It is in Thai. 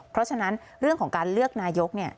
เพราะฉะนั้นเรื่องของการเลือกนายกเนี่ย